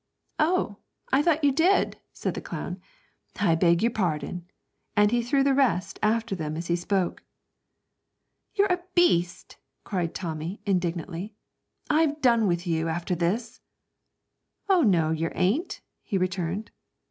'Oh, I thought you did,' said the clown, 'I beg your pardon;' and he threw the rest after them as he spoke. 'You're a beast!' cried Tommy, indignantly; 'I've done with you, after this.' 'Oh, no, yer ain't,' he returned.